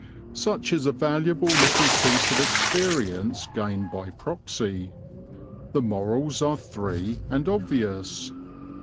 Such is a valuable little piece of experience gained by proxy. The morals are three and obvious.